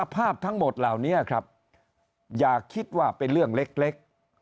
ภาพทั้งหมดเหล่านี้ครับอย่าคิดว่าเป็นเรื่องเล็ก